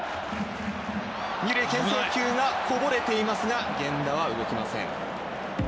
２塁牽制球がこぼれていますが源田は動けません。